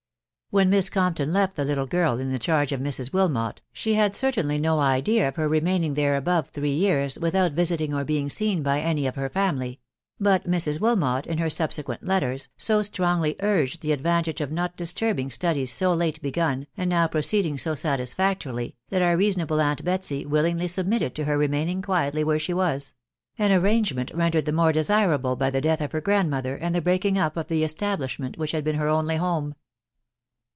When Miss Gompton left the little* girl: in. the charge of Mrs* Wilmot, she had certainly no idea* of her remaining there above three : years without' visiting. or being seen by any of her family ; but Mrs. Wilmot* in her r subsequent letters, so strongly urged the advantage of. not disturbing studies so late begun, and now proceeding so satisfactorily, that our reason, able aunt Betsy willingly submitted to her remaining quietly where she was ; an arrangement rendered tiaa xnat« &sk\r&&* B 4f 56 THE WIDOW BARNABY. by the death of her grandmother, and the breaking up of the establishment which had been her only home.